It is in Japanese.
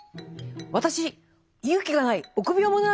私勇気がない臆病者なんです。